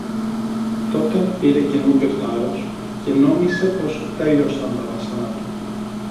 Τότε πήρε καινούριο θάρρος, και νόμισε πως τελείωσαν τα βάσανα του